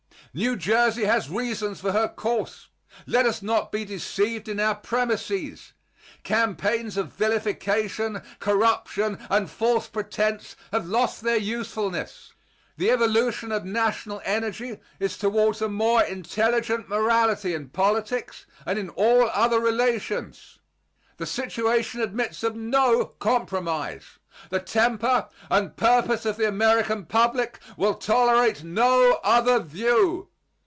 New Jersey has reasons for her course. Let us not be deceived in our premises. Campaigns of vilification, corruption and false pretence have lost their usefulness. The evolution of national energy is towards a more intelligent morality in politics and in all other relations. The situation admits of no compromise. The temper and purpose of the American public will tolerate no other view.